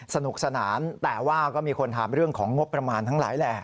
สนุกสนานแต่ว่าก็มีคนถามเรื่องของงบประมาณทั้งหลายแหละ